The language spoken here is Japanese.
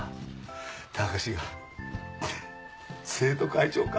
貴志が生徒会長か。